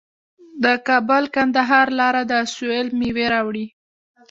د کابل کندهار لاره د سویل میوې راوړي.